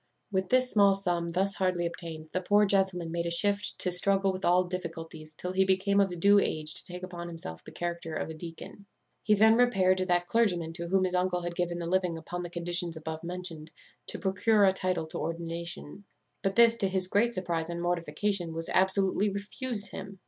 "With this small sum thus hardly obtained the poor gentleman made a shift to struggle with all difficulties till he became of due age to take upon himself the character of a deacon. He then repaired to that clergyman to whom his uncle had given the living upon the conditions above mentioned, to procure a title to ordination; but this, to his great surprize and mortification, was absolutely refused him.